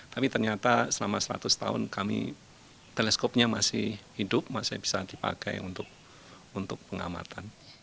tapi ternyata selama seratus tahun kami teleskopnya masih hidup masih bisa dipakai untuk pengamatan